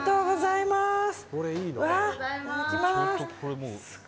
いただきます。